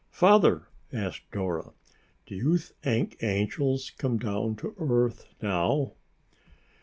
"Father," asked Dora, "do you think angels come down to earth now?"